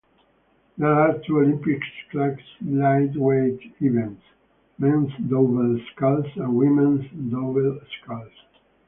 There are two Olympic-class lightweight events: Men's Double Sculls and Women's Double Sculls.